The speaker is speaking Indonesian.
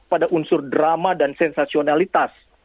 pada unsur drama dan sensasionalitas